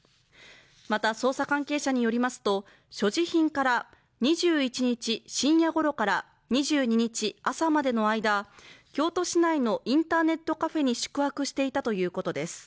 また捜査関係者によりますと、所持品から２１日深夜ごろから２２日朝までの間、京都市内のインターネットカフェに宿泊していたということです。